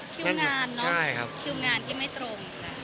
คิวงานเนอะคิวงานที่ไม่ตรง